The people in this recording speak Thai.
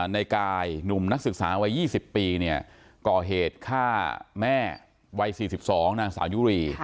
ในกายหนุ่มนักศึกษาวัย๒๐ปีก่อเหตุฆ่าแม่วัย๔๒นางสาวยุรี